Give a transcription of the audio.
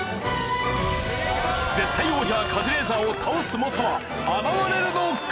絶対王者カズレーザーを倒す猛者は現れるのか！？